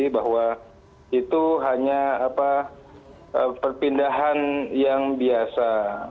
bahwa itu hanya perpindahan yang biasa